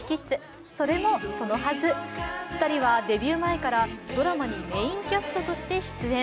それもそのはず、２人はデビュー前からドラマにメーンキャストとして出演。